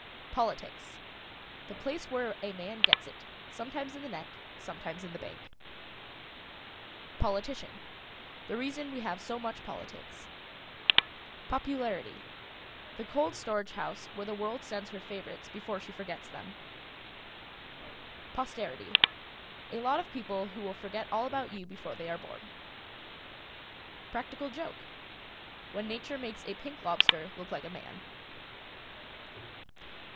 POLITICS. The place where a man gets it sometimes in the neck, sometimes in the bank. POLITICIAN. The reason we have so much politics. POPULARITY. The cold storage house where the world sends her favorites before she forgets them. POSTERITY. A lot of people who will forget all about you before they are born. PRACTICAL JOKE. When Nature makes a pink lobster look like a man.